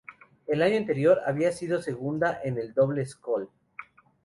El año anterior había sido segunda en el doble scull.